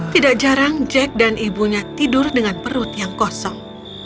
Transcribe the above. tidak jarang jack dan ibunya tidur dengan perut yang kosong